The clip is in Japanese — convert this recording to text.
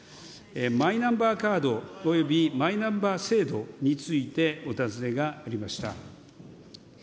マイナンバーカードおよびマイナンバー制度についてお尋ねがありました。